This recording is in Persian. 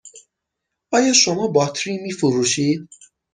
آیا شما باطری می فروشید؟